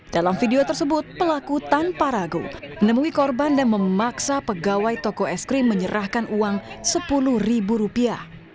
dalam video tersebut pelaku tanpa ragu menemui korban dan memaksa pegawai toko es krim menyerahkan uang sepuluh ribu rupiah